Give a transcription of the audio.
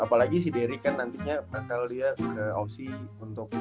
apalagi si dery kan nantinya bakal dia ke oc untuk